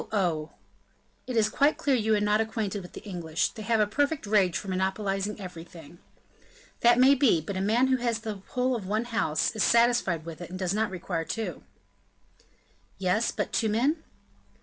oh!" "It is quite clear you are not acquainted with the English; they have a perfect rage for monopolizing everything." "That may be; but a man who has the whole of one house, is satisfied with it, and does not require two." "Yes, but two men?"